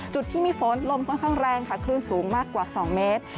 จุดที่มีฝนลมค่อนข้างแรงค่ะคลื่นสูงมากกว่า๒เมตร